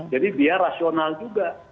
jadi biar rasional juga